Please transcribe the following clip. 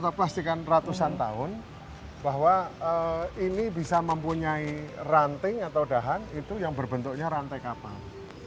kita pastikan ratusan tahun bahwa ini bisa mempunyai ranting atau dahan itu yang berbentuknya rantai kapal